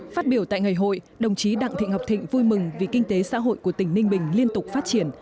phát biểu tại ngày hội đồng chí đặng thị ngọc thịnh vui mừng vì kinh tế xã hội của tỉnh ninh bình liên tục phát triển